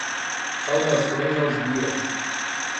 Saudações aos guias